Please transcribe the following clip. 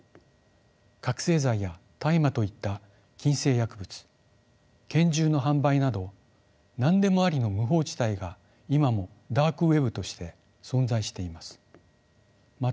覚醒剤や大麻といった禁制薬物拳銃の販売など何でもありの無法地帯が今もダークウェブとして存在しています。